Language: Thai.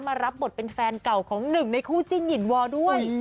มารับบทเป็นแฟนเก่าของ๑ในคู่จิ้งหยินวอลด้วย